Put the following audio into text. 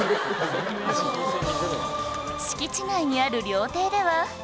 敷地内にある料亭では